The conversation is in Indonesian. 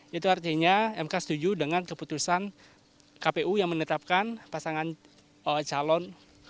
itu artinya mk setuju dengan keputusan kpu yang menetapkan pasangan calon